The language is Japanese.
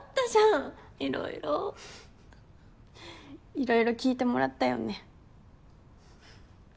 いろいろ聞いてもらったよね。